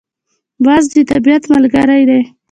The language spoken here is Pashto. باز د طبیعت ملګری دی